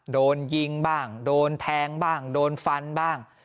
โดนยิงบ้างโดนแทงบ้างโดนฟันบ้าง